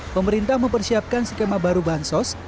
pemerintah mempersiapkan skema baru bansos